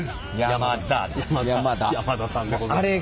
山田さんでございます。